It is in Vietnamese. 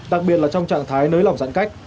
đặc biệt là trong trạng thái nới lỏng giãn cách